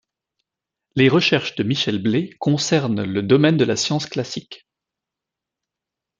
Les recherches de Michel Blay concernent le domaine de la science classique.